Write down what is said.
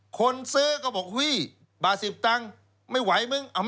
คนซื้อก็บอกเฮ้ยบาท๑๐ตังค์ไม่ไหวมึง